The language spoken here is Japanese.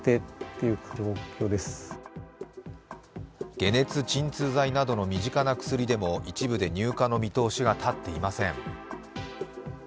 解熱鎮痛剤などの身近な薬でも一部で入荷の見通しが立っていません。